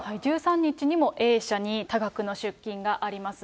１３日にもＡ社に多額の出金があります。